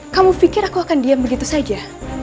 kamu pikir aku akan diam begitu saja